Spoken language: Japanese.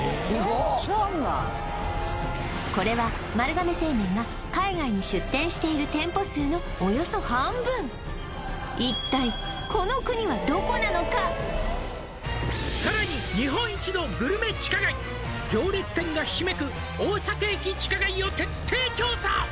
めっちゃあるなこれは丸亀製麺が海外に出店している店舗数のおよそ半分一体「さらに日本一のグルメ地下街」「行列店がひしめく大阪駅地下街を徹底調査」